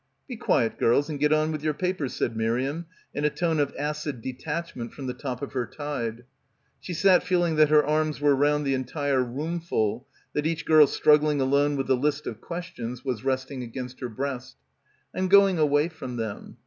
"Be quiet, girls, and get on with your papers," said Miriam in a tone of acid detachment from the top of her tide. She sat feeling that her arms were round the entire roomful, that each girl struggling alone with the list of questions was resting against her breast. "I'm going away from them.